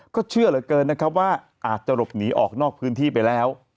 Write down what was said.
ก็เชื่อเหลือเกินนะครับว่าอาจจะหลบหนีออกนอกพื้นที่ไปแล้ว